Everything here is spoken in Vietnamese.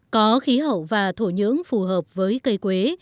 có khí hậu và thổ nhưỡng phù hợp với cây quế